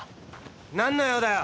何の用だよ？